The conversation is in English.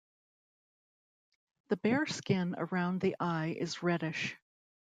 The bare skin around the eye is reddish.